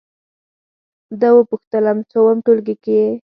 ده وپوښتلم: څووم ټولګي کې یې؟